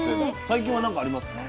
最近は何かありますか？